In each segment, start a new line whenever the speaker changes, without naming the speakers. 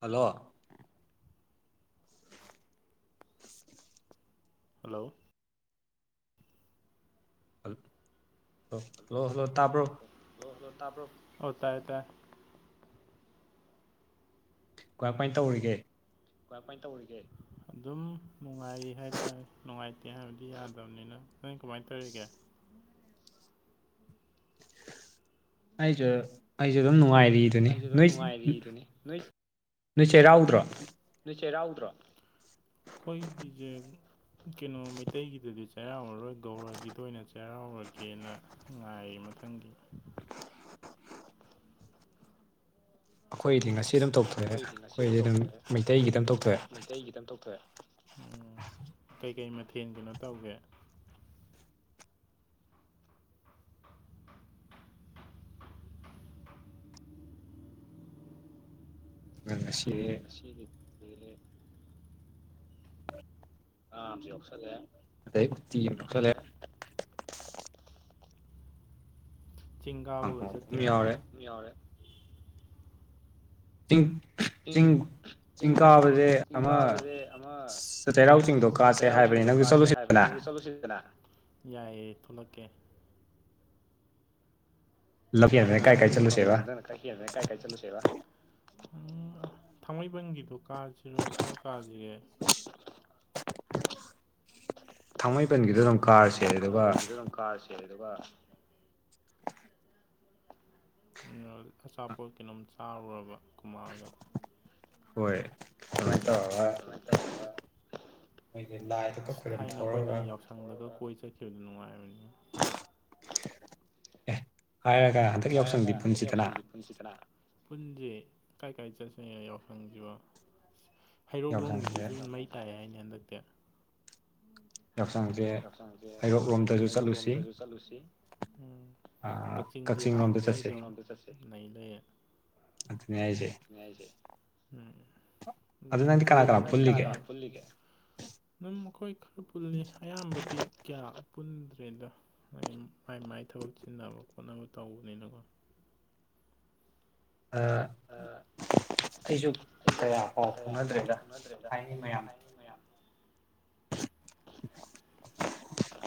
Hello
hello
ꯍ ꯍ hello hello ꯇꯥꯕ꯭ꯔꯣ
꯭ꯔꯣꯇꯥ ꯍꯇꯥ
ꯀꯥꯏ ꯀꯥꯏꯅ ꯇꯧꯔꯤꯒꯦ
ꯇꯔꯤꯒꯦ ꯑꯗꯨꯝ ꯅꯨꯡꯉꯥꯏꯔꯤ ꯍꯥꯏꯇꯥꯔꯦ ꯅꯨꯡꯉꯥꯏꯇꯦ ꯍꯥꯏꯕꯗꯤ ꯌꯥꯗꯕꯅꯤꯅ ꯅꯪ ꯀꯃꯥꯏꯅ ꯇꯧꯔꯤꯒꯦ
ꯑꯩꯁꯨ ꯑꯩꯁꯨ ꯑꯗꯨꯝ ꯅꯨꯡꯉꯥꯏꯔꯤꯗꯨꯅꯤ ꯅꯣꯏ ꯅꯣꯏ ꯆꯩꯔꯥꯎꯗ꯭ꯔꯣ
ꯅꯣꯏ ꯆꯩꯔꯥꯎꯗ꯭ꯔꯣ ꯑꯩꯈꯣꯏꯒꯤꯁꯦ ꯀꯩꯅꯣ ꯃꯩꯇꯩꯒꯤꯗꯗꯤ ꯆꯩꯔꯥꯎꯔꯣꯏ ꯒꯧꯔꯒꯤꯗ ꯑꯣꯏꯅ ꯆꯠ ꯆꯩꯔꯥꯎꯔꯒꯦꯅ ꯉꯥꯏꯔꯤ ꯃꯊꯪꯗꯤ
ꯑꯩꯈꯣꯏꯗꯤ ꯉꯁꯤ ꯑꯗꯨꯝ ꯇꯧ
ꯑꯩꯈꯣꯏꯗꯤ ꯉꯁꯤ ꯑꯗꯨꯝ ꯇꯧꯊꯣꯛꯑꯦ ꯑꯩꯈꯣꯏꯗꯤ ꯑꯗꯨꯝ ꯃꯩꯇꯩꯒꯤꯗꯝ ꯇꯧꯊꯣꯛꯑꯦ ꯀꯩꯀꯩ ꯃꯊꯦꯜꯒꯤꯩꯅꯣ ꯇꯧꯒꯦ [unintelligible]
ꯃꯁꯤ
ꯅꯪ ꯁꯤꯒꯤꯠꯇꯦ ꯑꯣꯛꯁꯗꯦ
ꯑꯗ ꯎꯠꯇꯤ ꯈꯂ
ꯆꯤꯡ ꯀꯥꯕꯒ ꯆꯠꯇꯦꯅ ꯌꯥꯔꯦ
ꯆꯁꯤꯡꯤꯡ ꯆꯤꯡ ꯀꯥꯕꯁꯦ ꯑꯃ ꯆꯩꯔꯥꯎ ꯆꯤꯡꯗꯣ ꯀꯥꯁꯦ ꯍꯥꯏꯕꯅꯤ ꯅꯪꯁꯨ ꯆꯠꯂꯨꯁꯤꯗꯅ
ꯌꯥꯏꯑꯌꯦ ꯊꯣꯛꯂꯛꯀꯦ ꯇ ꯀꯪꯒꯁꯗꯅ ꯀ ꯍꯔꯃꯦ ꯀꯥꯏ ꯀꯥꯏ ꯆꯂꯨ ꯁꯦꯕꯥ ꯊꯥꯡꯃꯩꯕꯟꯒꯤꯗꯣ ꯀꯥꯁꯤꯅꯣ ꯀꯥꯏ ꯀꯥꯁꯤꯒꯦ
[unintelligible]
ꯍ [unintelligible]
ꯊꯥꯡꯃꯩꯕꯟꯒꯤꯗ ꯑꯗꯨꯝ ꯀꯥꯔꯁꯤ
ꯊꯥꯡꯃꯩꯄꯟꯒꯤꯗꯣ ꯑꯗꯨꯝ ꯀꯥꯔꯁꯦꯦ ꯑꯗꯨꯒ ꯑꯆꯥꯄꯣꯠ ꯀꯩꯅꯣꯝ ꯆꯥꯔꯨꯕ꯭ꯔꯕ꯫ ꯀꯨꯝꯃꯥꯑꯒ ꯍꯣꯏ ꯑꯗꯨꯃꯥꯏ ꯇꯧꯔꯒ꯫
ꯑꯩꯈꯣꯏꯒꯤ ꯂꯥꯏ꯫
ꯑꯁ ꯊꯥꯏꯅ ꯑꯩꯈꯣꯏꯅ ꯌꯥꯎꯁꯪꯗꯒ ꯀꯣꯏ ꯆꯠꯈꯤꯕꯗ ꯅꯨꯡꯉꯥꯏꯕꯅꯤ꯫
ꯑꯦ ꯍꯥꯏꯔꯒ ꯫
ꯍꯥꯏꯔꯒ ꯍꯟꯗꯛ ꯌꯥꯎꯁꯪꯗꯤ ꯄꯨꯟꯁꯤꯗꯅꯥ ꯄꯨꯟꯁꯤ ꯀꯥꯏ ꯀꯥꯏ ꯆꯠꯁ ꯌꯥꯎꯁꯪꯁꯤꯕꯣ꯫ ꯍꯩꯔꯣꯛ ꯂꯣꯝꯒꯤꯗꯤꯁꯨ ꯑꯗꯨ ꯃꯩ ꯇꯥꯏꯑ ꯍꯥꯏꯅꯦ ꯍꯟꯗꯛꯇꯤ꯫ ꯌꯥꯎꯁꯥꯡꯁꯦ ꯍꯩꯔꯣꯛ ꯂꯣꯝꯗꯁꯨ ꯆꯠꯂꯨꯁꯤ꯫ ꯎꯝ ꯀꯛꯆꯤꯡꯗꯤ ꯍꯥꯟꯅꯗꯒꯤ ꯀꯛꯆꯤꯡꯂꯣꯝꯗ ꯆꯠꯁꯦ ꯅꯩ ꯂꯩꯔꯦ꯫
ꯑꯗꯨꯅꯦ ꯍꯥꯏꯁꯦ꯫
ꯎꯝ ꯎꯝ ꯑꯗꯣ ꯅꯪ ꯄꯨꯜꯂꯤꯒꯤ꯫ ꯑꯗꯨꯝ ꯑꯈꯣꯏ ꯈꯔ ꯄꯨꯜꯂꯤ ꯑꯌꯥꯝꯕꯗꯤ ꯀꯌꯥ꯫ ꯄꯨꯟꯗ꯭ꯔꯦꯗ ꯃꯥꯏ ꯃꯥꯏ ꯊꯕꯛ ꯆꯤꯟꯅꯕ ꯈꯣꯠꯅꯕ ꯇꯧꯕꯅꯤꯅꯀꯣ꯫
ꯑꯩꯁꯨ ꯀꯌꯥ ꯄꯥꯎ ꯐꯥꯎꯅꯗ꯭ꯔꯦꯗ ꯍꯥꯏꯅꯤ ꯃꯌꯥꯝ꯫ [unintelligible]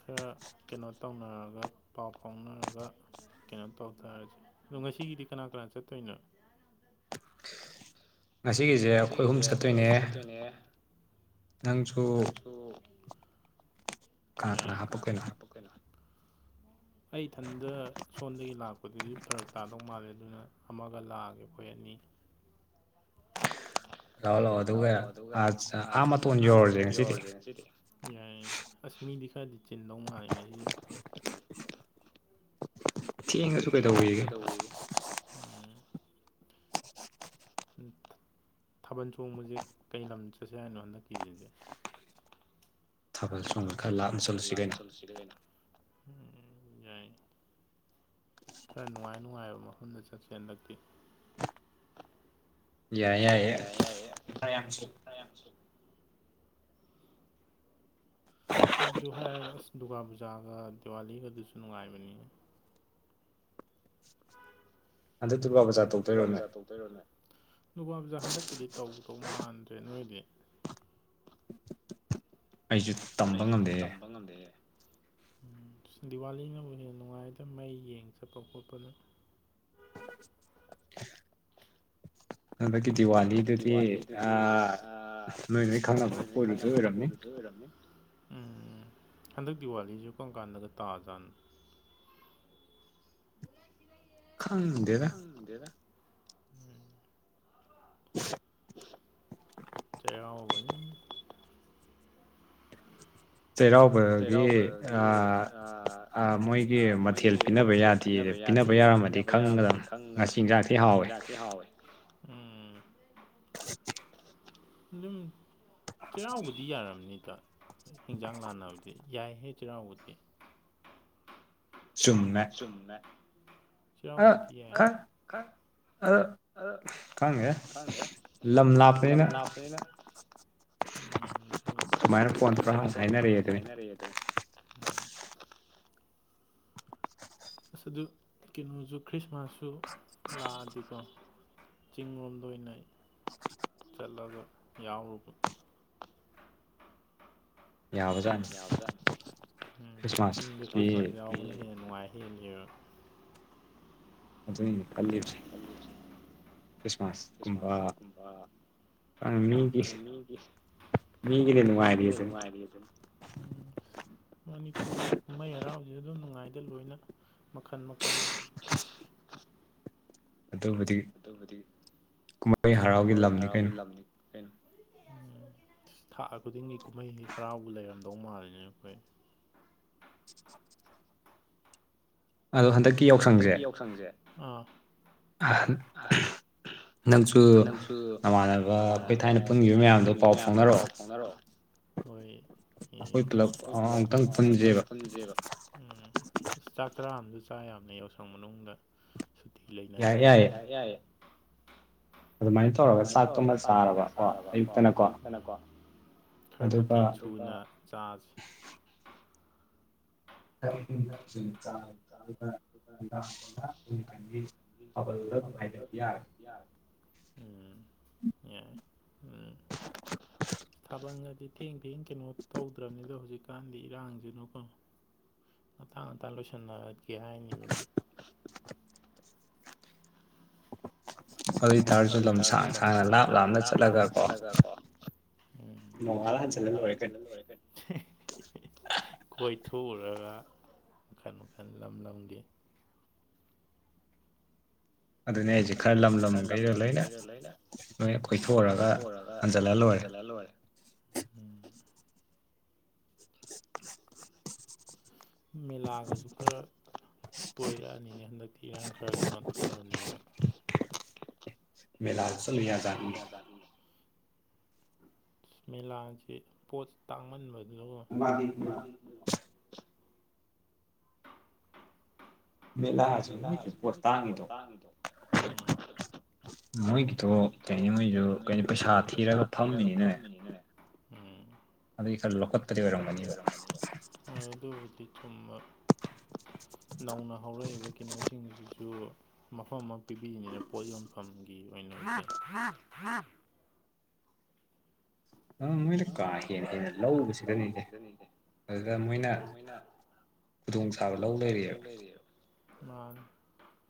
ꯈꯔ꯫ ꯀꯩꯅꯣ ꯇꯧꯅꯔꯒ ꯄꯥꯎ ꯐꯥꯎꯅꯔꯒ ꯀꯩꯅꯣ ꯇꯧ ꯇꯔꯦ꯫ ꯑꯗꯣ ꯉꯁꯤꯒꯤꯗꯤ ꯀꯅꯥ ꯀꯅꯥ ꯆꯠꯇꯣꯏꯅꯣ꯫
ꯉꯁꯤꯒꯤꯁꯦ ꯑꯩꯈꯣꯏ ꯑꯍꯨꯝ ꯆꯠꯇꯣꯏꯅꯦ꯫
ꯑꯦ꯫
ꯅꯪꯁꯨ꯫
ꯑꯗꯨ ꯌꯥꯏ ꯀꯥꯅ ꯀꯥꯅ ꯍꯥꯞꯄꯛ ꯇꯣꯏꯅꯣ꯫
[inaudible]
ꯑꯩ ꯏꯊꯟꯗ ꯁꯣꯟꯗꯒꯤ ꯂꯥꯛꯄꯗꯨꯗꯤ ꯐꯔꯛ ꯇꯥꯗꯧ ꯃꯥꯜꯂꯦ ꯑꯗꯨꯅ ꯑꯃꯒ ꯂꯥꯛꯑꯒꯦ ꯑꯩꯈꯣꯏ ꯑꯅꯤ꯫ ꯂꯥꯛꯑꯣ ꯂꯥꯛꯑꯣ ꯑꯗꯨꯒ ꯑ ꯑꯥ ꯃꯇꯣꯟ ꯌꯧꯔꯁꯦ ꯉꯁꯤꯗꯤ꯫ ꯌꯥꯏ ꯑꯁ ꯃꯤꯗꯤ ꯈꯔꯗꯤ ꯆꯤꯟꯗꯧ ꯃꯥꯜꯂꯦ ꯉꯁꯤ꯫
ꯊꯦꯡꯉꯁꯨ ꯀꯩꯗꯧꯋꯦꯒꯦ꯫
ꯎꯝ꯫ ꯊꯥꯕꯜ ꯆꯣꯡꯕꯁꯦ ꯀꯩ ꯂꯝ ꯆꯠꯁꯦ ꯍꯥꯏꯅꯣ ꯍꯟꯗꯛꯀꯤꯁꯤꯗꯤ꯫ ꯊꯥꯕꯜ ꯆꯣꯡꯕ ꯈꯔ ꯂꯥꯛꯞꯅ ꯆꯂꯨꯁꯤꯗ ꯀꯩꯅꯣ ꯌꯥꯏ꯫ ꯈꯔ ꯅꯨꯡꯉꯥꯏ ꯅꯨꯡꯉꯥꯏꯕ ꯃꯐꯝꯗ ꯆꯠꯁꯦ ꯍꯟꯗꯛꯇꯤ꯫ ꯌꯥꯏ ꯌꯥꯏ [unintelligible] ꯑꯦ ꯑꯗꯨ ꯍꯥꯏꯔꯒ ꯑꯁ ꯗꯨꯔꯒꯥ ꯄꯨꯖꯥꯒ ꯗꯤꯋꯥꯂꯤꯒꯗꯨꯁꯨ ꯅꯨꯡꯉꯥꯏꯕꯅꯤꯅꯦ꯫ ꯑꯗꯨ ꯗꯨꯒꯥꯄꯨꯖꯥꯗꯣ꯫ ꯗꯣꯏꯔꯣ ꯅꯣꯏ ꯗꯨꯔꯒꯥꯄꯨꯖꯥ ꯍꯟꯗꯛꯀꯤꯗꯤ ꯇꯧꯗꯧ ꯃꯥꯟꯗ꯭ꯔꯦ ꯅꯣꯏꯗꯤ꯫꯫
ꯑꯩꯁꯨ꯫
ꯑꯩꯁꯨ ꯇꯝꯕ ꯉꯝꯗꯍꯦ꯫ ꯎ ꯗꯤꯋꯥꯂꯤꯅꯕꯨ ꯍꯦꯟꯅ ꯅꯨꯡꯉꯥꯏꯇꯅ ꯃꯩ ꯌꯦꯡ ꯆꯠꯄ ꯈꯣꯠꯄꯅ꯫
[inaudible] ꯍꯟꯗꯛꯀꯤ ꯗꯤꯋꯥꯂꯤꯗꯨꯗꯤ ꯅꯣꯏ ꯅꯣꯏ ꯈꯪꯅꯕ ꯀꯣꯏꯔꯨꯗꯨꯏ ꯑꯣꯏꯔꯝꯅꯤ꯫
ꯎꯝ ꯍꯟꯗꯛ ꯗꯤꯋꯥꯂꯤꯁꯨ ꯀꯔꯝ ꯀꯥꯟꯗꯒ ꯇꯥꯖꯥꯥꯟꯅꯣ꯫
ꯈꯪꯗꯦꯗ꯫ [inaudible]
ꯆꯩꯔꯥꯎꯕ
ꯆꯩꯔꯥꯎ
ꯆꯩꯔꯥꯎꯕꯒꯤ ꯑ ꯑ ꯃꯣꯏꯒꯤ ꯃꯊꯦꯜ꯫ ꯄꯤꯅꯕ ꯌꯥꯗꯦ ꯄꯤꯅꯕ ꯌꯥꯔꯝꯃꯗꯤ ꯈꯪꯒꯗꯕꯅꯦ ꯉꯁꯤ ꯆꯤꯟꯖꯥꯡ ꯊꯤ ꯍꯥꯎꯋꯦ ꯎꯝ꯫
[inaudible]
ꯑꯗꯨꯝ ꯆꯩꯔꯥꯎꯕꯗꯤ ꯌꯥꯔꯝꯅꯤꯗ ꯍꯤꯟꯖꯥꯡ ꯂꯥꯟꯅꯕꯗꯤ꯫ ꯌꯥꯏ ꯍꯦ ꯆꯩꯔꯥꯎꯕꯗꯤ꯫
ꯆꯨꯝꯃꯦ
ꯆꯨꯝꯃꯦ ꯆꯩꯔꯥꯎꯕꯗꯤ ꯌꯥꯏ ꯑ ꯑ ꯑꯗꯣ ꯈꯪꯗꯦꯗ ꯂꯝ ꯂꯥꯞꯄꯅꯦꯅ ꯎꯝ ꯗꯨꯕꯨꯗꯤ ꯁꯨꯃꯥꯏꯅ ꯐꯣꯟ ꯇꯧꯔꯁ ꯍꯥꯏꯅꯔꯦ ꯑꯗꯨꯅꯤ ꯎꯝ ꯎꯁ ꯑꯗꯨ ꯀꯩꯅꯣꯖꯨ ꯈ꯭ꯔꯤꯁꯃꯥꯁꯁꯨ ꯂꯥꯛꯑꯗꯤꯀꯣ ꯆꯤꯡꯂꯣꯝꯗ ꯑꯣꯏꯅ ꯆꯠꯂꯒ ꯌꯥꯎꯔꯨꯕ ꯌꯥꯕꯖꯠꯅꯤ ꯎꯝ ꯆꯤꯡꯗ ꯈ꯭ꯔꯤꯁꯃꯥꯁ ꯌꯥꯎꯕꯅ ꯍꯦꯟꯅ ꯅꯨꯡꯉꯥꯏ ꯍꯦꯂꯦꯕ
ꯑꯗꯨꯏꯅꯤ ꯈꯜꯂꯤꯕꯁꯦ ꯈ꯭ꯔꯤꯁꯃꯥꯁ ꯀꯨꯝꯕ ꯑꯗꯨꯅ ꯃꯤꯒꯤ ꯃꯤꯒꯤꯅ ꯅꯨꯡꯉꯥꯏꯔꯦꯗꯨꯅꯤ
ꯃꯅꯤꯄꯨꯔꯒꯤ ꯀꯨꯝꯍꯩ ꯍꯔꯥꯎꯖꯤꯗꯤ ꯑꯗꯨꯝ ꯅꯨꯡꯉꯥꯏꯗ ꯂꯣꯏꯅ ꯃꯈꯟ ꯃꯈꯟꯅꯤ ꯑꯗꯨꯕꯨꯗꯤ ꯀꯨꯝꯃꯩ ꯍꯔꯥꯎꯒꯤ ꯂꯝꯅꯤ ꯀꯩꯅꯣ ꯎꯝ ꯊꯥ ꯈꯨꯗꯤꯡꯒꯤ ꯀꯨꯝꯍꯩ ꯍꯔꯥꯎꯕꯨ ꯂꯩꯔꯝꯗꯧ ꯃꯥꯜꯂꯤꯅꯦ ꯑꯩꯈꯣꯏ
[inaudible]
ꯑꯗꯣ ꯍꯟꯗꯛꯀꯤ ꯌꯥꯎꯁꯪꯖꯦ ꯑ ꯅꯪꯁꯨ ꯅꯃꯥꯟꯅꯕ ꯑꯈꯣꯏ ꯊꯥꯏꯅ ꯄꯨꯟꯒꯤꯕ ꯃꯌꯥꯝꯗꯣ ꯄꯥꯎ ꯐꯥꯎꯅꯔꯛꯑꯣ ꯍꯣꯏ ꯌꯦꯡ ꯑꯈꯣꯏ ꯄꯨꯂꯞ ꯑꯃꯨꯛꯇꯪ ꯄꯟꯖꯦꯕ ꯎꯝ ꯆꯥꯛ ꯆꯔꯥ ꯑꯃꯖꯨ ꯆꯥ ꯌꯥꯝꯅꯦ ꯌꯥꯎꯁꯪ ꯃꯅꯨꯡꯗ ꯁꯨꯇꯤ ꯂꯩꯅꯔꯤꯉꯩꯗ ꯌꯥ ꯌꯥꯏꯑꯦ ꯑꯗꯨꯃꯥꯏꯟ ꯇꯧꯔꯒ ꯆꯥꯛꯇꯨꯝꯃ ꯆꯥꯔꯕꯀꯣ ꯑꯌꯨꯛꯇꯅꯀꯣ ꯈꯔ ꯃꯊꯦꯟ ꯁꯨꯅ ꯆꯥꯖꯦ [unintelligible] [unintelligible] ꯎꯝ ꯌꯥꯏ ꯎꯝ ꯊꯕꯟꯒꯗꯤ ꯊꯦꯡ ꯊꯦꯡ ꯀꯩꯅꯣ ꯇꯧꯗ꯭ꯔꯕꯅꯤꯗ ꯍꯧꯖꯤꯛꯀꯥꯟꯗꯤ ꯏꯔꯥꯡꯖꯤꯅꯀꯣ ꯉꯟꯇꯥ ꯉꯟꯇꯥ ꯂꯣꯏꯁꯟꯅꯔꯠꯀꯦ ꯍꯥꯏꯅꯦꯕ ꯑꯗꯨꯝ ꯑꯗꯨꯏ ꯇꯥꯔꯖꯨ ꯂꯝ ꯁꯥꯡ ꯁꯥꯡꯅ ꯂꯥꯞ ꯂꯥꯞꯅ ꯆꯠꯂꯒ ꯀꯣ ꯎꯝ ꯅꯣꯡꯉꯥꯜꯂ ꯍꯟꯖꯜꯂ ꯂꯣꯏꯔꯦ ꯀꯩꯅꯣ ꯀꯣꯏꯊꯣꯛꯎꯔꯒ ꯃꯈꯟ ꯃꯈꯟ ꯂꯝ ꯂꯝꯒꯤ
ꯑꯗꯨꯅꯦ ꯍꯥꯏꯖꯦ ꯈꯔ ꯂꯝ ꯂꯝꯒꯩꯗꯣ ꯂꯣꯏꯅ ꯂꯣꯏꯅ ꯀꯣꯏꯊꯣꯛꯎꯔꯒ ꯍꯟꯖꯜꯂ ꯂꯣꯏꯔꯦ [inaudible]
ꯃꯦꯂꯥꯒꯖꯨ ꯈꯔ ꯇꯣꯏꯔꯛꯑꯅꯤꯅꯦ ꯍꯟꯗꯛꯇꯤ ꯏꯔꯥꯡ ꯈꯔ [unintelligible]
ꯃꯦꯂꯥꯖꯨ ꯆꯠꯂꯨ ꯌꯥꯖꯥꯠꯅꯤꯅꯦ
ꯃꯦꯂꯥꯗꯤ ꯄꯣꯠ ꯇꯥꯡꯃꯟꯕꯗꯨꯗꯀꯣ [unintelligible] ꯃꯣꯏꯒꯤꯗꯣ ꯀꯩ ꯅꯣꯏꯗꯣ ꯀꯩꯅꯣ ꯄꯩꯁꯥ ꯊꯤꯔꯒ ꯐꯝꯃꯤꯅꯤꯅꯦ ꯑꯗꯨꯒꯤ ꯈꯔ ꯂꯧꯈꯠꯄꯗꯤ ꯑꯣꯏꯔꯝꯒꯅꯤꯕ ꯍꯣꯏ ꯑꯗꯨꯕꯨꯗꯤ ꯆꯨꯝꯕ ꯅꯧꯅ ꯍꯧꯔꯛꯏꯕ ꯀꯩꯅꯣꯁꯤꯡꯁꯤꯖꯨ ꯃꯐꯝ ꯑꯃ ꯄꯤꯕꯤꯅꯤꯅ ꯄꯣꯠ ꯌꯣꯟꯐꯝꯒꯤ ꯑꯣꯏꯅ ꯑꯗꯣ ꯃꯣꯏꯅ ꯀꯥ ꯍꯦꯟꯅ ꯍꯦꯟꯅ ꯂꯧꯕꯁꯤꯗꯅꯤꯁꯦ ꯎꯝ ꯑꯗꯨꯗ ꯃꯣꯏꯅ ꯈꯨꯗꯣꯡ ꯆꯥꯕ ꯂꯧ ꯂꯩꯔꯦꯕ ꯃꯥꯅꯤ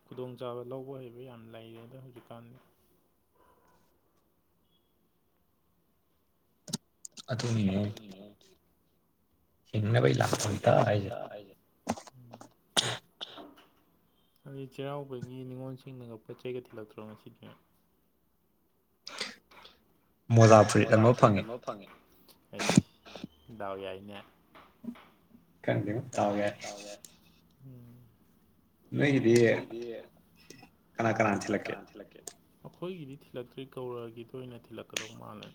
ꯈꯨꯗꯣꯡꯆꯥꯥꯕ ꯂꯧꯕ ꯍꯩꯕ ꯌꯥꯝ ꯂꯩꯔꯦꯗ ꯍꯧꯖꯤꯛꯀꯥꯟꯗꯤ
ꯑꯗꯨꯅꯤꯅꯦꯍꯦ ꯍꯤꯡꯅꯕꯩ ꯂꯥꯟꯐꯝꯇ ꯍꯥꯏꯖꯦ
ꯅꯣꯏꯗꯤ ꯆꯩꯔꯥꯎꯕꯒꯤ ꯅꯤꯉꯣꯜꯁꯤꯡꯅꯒ ꯄꯣꯠꯆꯩꯒ ꯊꯤꯜꯂꯛꯇ꯭ꯔꯣ ꯉꯁꯤꯗꯤ
[inaudible]
ꯃꯣꯖꯥ ꯐꯨꯔꯤꯠ ꯑꯃ ꯐꯪꯉꯦ ꯍꯩꯁ ꯗꯥꯎ ꯌꯥꯏꯅꯦ ꯈꯪꯗꯦꯍꯦ ꯗꯥꯎ ꯌꯥꯏ ꯎꯝ ꯅꯣꯏꯒꯤꯗꯤ ꯀꯅꯥ ꯀꯅꯥꯅ ꯊꯤꯜꯂꯛꯀꯦ ꯑꯩꯈꯣꯏꯒꯤꯗꯤ ꯊꯤꯜꯂꯛꯇ꯭ꯔꯤ ꯒꯧꯔꯒꯤꯗ ꯑꯣꯏꯅ ꯊꯤꯜꯂꯛꯀꯗꯧ ꯃꯥꯥꯜꯂꯦ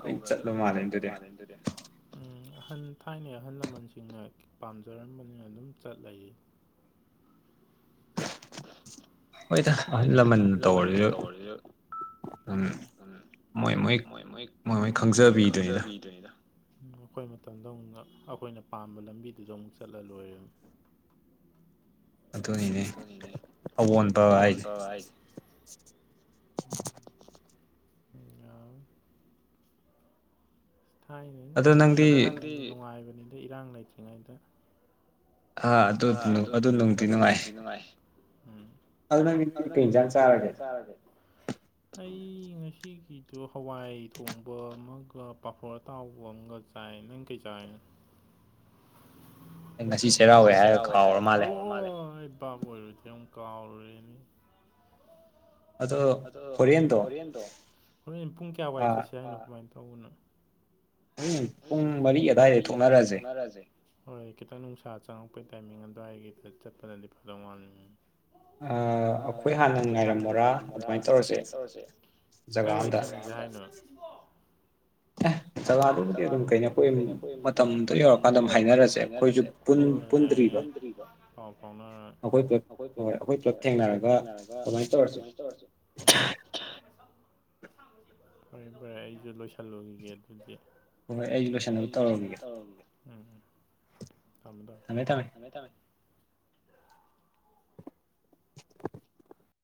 ꯒꯧꯔꯗ ꯂꯣꯏ ꯆꯠꯂ ꯃꯥꯜꯂꯦ ꯑꯗꯨꯗꯤ ꯎꯝ ꯑꯍꯟ ꯊꯥꯏꯅꯩ ꯑꯍꯜ ꯂꯃꯟꯁꯤꯡꯅ ꯄꯥꯝꯖꯔꯝꯕꯅꯤꯅ ꯑꯗꯨꯝ ꯆꯠꯂꯩ ꯍꯣꯏꯗ ꯑꯍꯜ ꯂꯃꯟ ꯇꯧꯔꯗꯤ ꯎꯝ ꯑꯗꯨꯅ ꯃꯣꯏ ꯃꯣꯏ ꯃꯣꯏ ꯃꯣꯏ ꯈꯪꯖꯕꯤꯗꯨꯏꯅꯤꯗ ꯑꯩꯈꯣꯏ ꯃꯇꯝꯗ ꯑꯃꯨꯛꯅ ꯑꯩꯈꯣꯏꯅ ꯄꯥꯝꯕ ꯂꯝꯕꯤꯗꯨꯗ ꯑꯃꯨꯛ ꯆꯠꯂ ꯂꯣꯏꯔꯦ
ꯑꯗꯨꯅꯤꯅꯦ ꯑꯑꯣꯟꯕ ꯍꯥꯏꯁꯦ
ꯑꯣ ꯍꯥꯏꯖ ꯊꯥꯏꯅ ꯀꯨꯝꯍꯩꯗꯤ ꯅꯪꯗꯤ ꯅꯨꯡꯉꯥꯏꯕꯅꯤꯗ ꯏꯔꯥꯡ ꯂꯩꯇ꯭ꯔꯤꯉꯩꯗ
ꯑ ꯑꯗꯨ ꯑꯗꯨ ꯅꯨꯡꯗꯤ ꯅꯨꯡꯉꯥꯏ
ꯑꯗꯨ ꯅꯪꯗꯤ ꯀꯩ ꯏꯟꯖꯥꯡ ꯆꯥꯔꯒꯦ ꯑꯩ ꯉꯁꯤꯒꯤꯗꯣ ꯍꯋꯥꯏ ꯊꯣꯡꯕ ꯑꯃꯒ ꯄꯥꯐꯣꯔ ꯑꯇꯥꯎꯕ ꯑꯃꯒ ꯆꯥꯏ ꯅꯪ ꯀꯩ ꯆꯥꯏ
ꯑꯩ ꯉꯁꯤ ꯆꯩꯔꯥꯎꯋꯦ ꯍꯥꯏꯔ
ꯇꯧꯔꯦ ꯍꯥꯏꯔ ꯀꯥꯎꯔꯥ ꯃꯥꯜꯂꯦ ꯑꯣꯏ ꯕꯥꯞ ꯑꯣꯏꯔꯨꯗꯔꯦ ꯑꯃꯨꯛ ꯀꯥꯎꯔꯨꯔꯦꯅꯦ ꯑꯗꯣ ꯍꯣꯔꯦꯟꯗꯣ ꯍꯣꯔꯦꯟ ꯄꯨꯡ ꯀꯌꯥ ꯋꯥꯏ ꯆꯠꯁꯦ ꯍꯥꯏꯅꯣ ꯀꯃꯥꯏ ꯇꯧꯕꯅꯣ ꯄꯨꯡ ꯃꯔꯤ ꯑꯗꯋꯥꯏꯗ ꯊꯣꯛꯅꯔ ꯑꯥꯁꯦ ꯍꯣꯏ ꯈꯤꯇꯪ ꯅꯨꯡꯁꯥ ꯆꯪꯉꯛꯄꯩ ꯇꯥꯏꯃꯤꯡ ꯑꯗꯨꯋꯥꯏꯒꯤꯗꯨꯗ ꯆꯠꯄꯅꯗꯤ ꯐꯗꯧ ꯃꯜꯂꯤ ꯑꯥ ꯑꯈꯣꯏ ꯍꯥꯟꯅ ꯉꯥꯏꯔꯝꯃꯣꯔꯥ ꯑꯗꯨꯃꯥꯏ ꯇꯧꯔꯁꯦ ꯀꯥꯏ ꯋꯥꯏ ꯊꯦꯡꯅꯖꯦ ꯍꯥꯏꯅꯣ
ꯑꯦ
ꯑꯦ ꯖꯒꯥꯗꯨꯕꯨꯗꯤ ꯑꯗꯨꯝ ꯀꯩꯅꯣ ꯈꯣꯏꯝ ꯃꯇꯝꯗꯨ ꯌꯧꯔꯀꯥꯟꯗ ꯑꯝ ꯍꯥꯏꯅꯔꯁꯦ ꯑꯩꯈꯣꯏ ꯄꯨꯟ ꯄꯨꯟ ꯗꯔ꯭ꯤꯗꯣ ꯄꯥꯎ ꯐꯥꯎꯅꯥꯔꯥ ꯑꯈꯣꯏ ꯄꯨꯂꯞ ꯍꯣꯏ ꯑꯈꯣꯏ ꯄꯨꯂꯞ ꯊꯦꯡꯅꯔꯒ ꯑꯗꯨꯃꯃꯥꯏ ꯇꯧꯔꯁꯦ ꯎꯝ ꯐꯔꯦ ꯐꯔꯦ ꯑꯩꯁꯨ ꯂꯣꯏꯁꯜꯂꯨꯈꯤꯒꯦ ꯑꯗꯨꯗꯤ ꯍꯣꯏ ꯑꯩꯁꯨ ꯂꯣꯏꯁꯟꯅꯕ ꯇꯧꯔꯝꯒꯦ ꯎꯝ ꯊꯝꯃꯣ ꯊꯝꯃꯣ
ꯊꯝꯃꯦ ꯊꯝꯃꯦ
ꯊꯝꯃꯦ ꯊꯝꯃꯦ